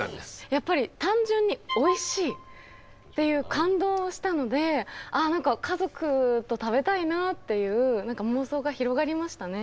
やっぱり単純においしいっていう感動したので何か家族と食べたいなっていう妄想が広がりましたね。